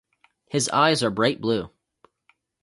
His eyes are bright blue.